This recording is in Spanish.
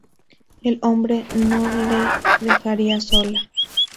El hombre no la dejaría sola.